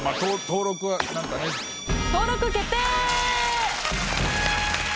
登録決定！